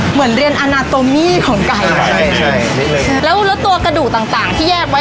เหมือนเรียนของไก่ใช่ใช่นิดหนึ่งแล้วแล้วตัวกระดูกต่างต่างที่แยกไว้